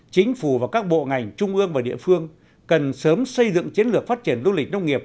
chính phủ và các bộ ngành trung ương và địa phương cần sớm xây dựng chiến lược phát triển du lịch nông nghiệp